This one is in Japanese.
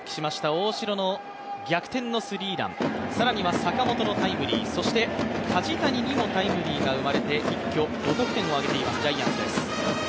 大城の逆転のスリーラン、さらには坂本のタイムリー、そして梶谷にもタイムリーが生まれて一挙、５得点を挙げていますジャイアンツです。